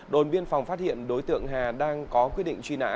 đồn biên phòng phát hiện đối tượng hà đang có quyết định truy nã